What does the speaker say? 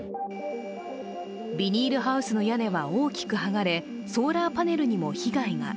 ビニールハウスの屋根は大きくはがれ、ソーラーパネルにも被害が。